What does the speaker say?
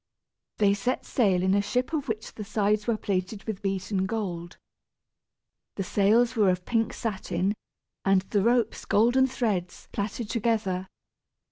They set sail in a ship of which the sides were plated with beaten gold. The sails were of pink satin, and the ropes golden threads plaited together.